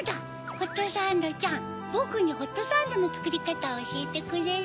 ホットサンドちゃんボクにホットサンドのつくりかたをおしえてくれる？